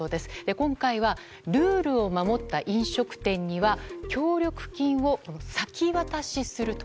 今回はルールを守った飲食店には協力金を先渡しすると。